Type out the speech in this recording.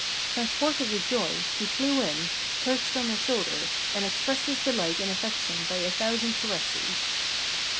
Transported with joy, he flew in, perched on her shoulder, and expressed his delight and affection by a thousand caresses.